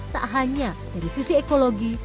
tak hanya dari sisi ekologi